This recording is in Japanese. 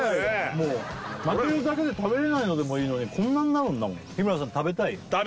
もう負けるだけで食べれないのでもいいのにこんなんなるんだもん日村さん食べたい？